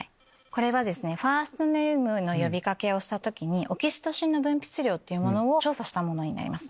これはですねファーストネームの呼びかけをした時にオキシトシンの分泌量を調査したものになります。